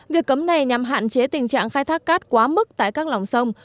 việc cấm này nhằm hạn chế tình trạng khai thác cát quá mức tại các lòng sông